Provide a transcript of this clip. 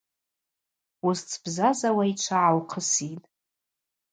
Уызцбзазауа йчва гӏаухъыситӏ.